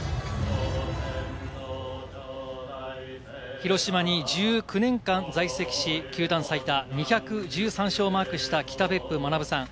広島に１９年間在籍し、球団最多２１３勝をマークした、北別府学さん。